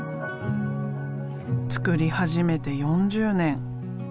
作り始めて４０年。